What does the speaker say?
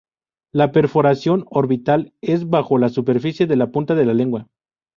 La perforación orbital es bajo la superficie de la punta de la lengua.